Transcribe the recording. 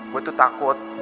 gue tuh takut